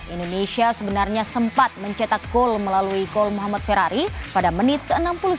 indonesia sebenarnya sempat mencetak gol melalui gol muhammad ferrari pada menit ke enam puluh satu